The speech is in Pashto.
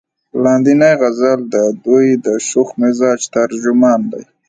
لاندينے غزل د دوي د شوخ مزاج ترجمان دے ۔